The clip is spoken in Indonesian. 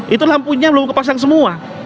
itu lampunya belum kepasang semua